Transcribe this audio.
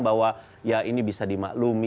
bahwa ya ini bisa dimaklumi